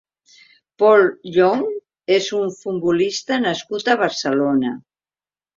Pol Llonch és un futbolista nascut a Barcelona.